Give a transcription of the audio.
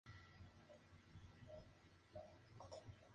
El nombre tiene su origen en un tipo de escopeta larga llamada Miguelete.